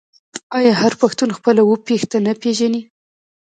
آیا هر پښتون خپل اوه پيښته نه پیژني؟